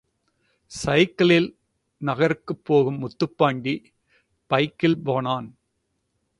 சைக்கிளில் டவுனுக்குப் போகும் முத்துப்பாண்டி பைக்கில் போனான்.